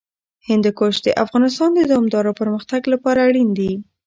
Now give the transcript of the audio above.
هندوکش د افغانستان د دوامداره پرمختګ لپاره اړین دي.